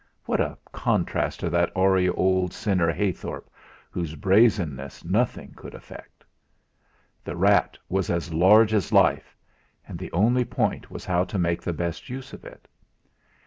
What a contrast to that hoary old sinner Heythorp, whose brazenness nothing could affect. The rat was as large as life! And the only point was how to make the best use of it.